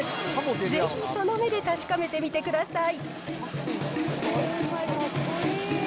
ぜひその目で確かめてみてください。